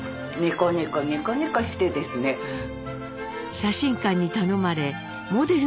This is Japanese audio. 写真館に頼まれモデルも経験。